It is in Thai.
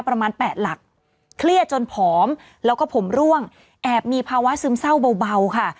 ประมาณแปดหลักเครียดจนผอมแล้วก็ผมร่วงแอบมีภาวะซึมเศร้าเบาค่ะ